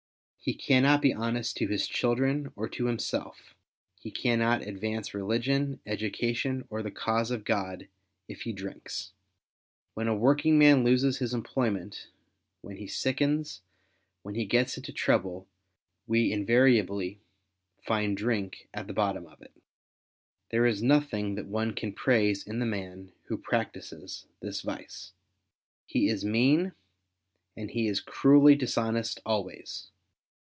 He cannot be honest to his children, or to himself; he cannot advance religion, education, or the cause of God, if he drinks. When' a working man loses his employiuent, when he sickens, when he gets into trouble, we invariably find drink at the bottom of it. There is nothing that one can praise in the man who practises this vice. He is mean, and he is cruelly dishonest always.